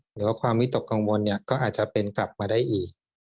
หรือว่าความวิตกกังวลเนี่ยก็อาจจะเป็นกลับมาได้อีก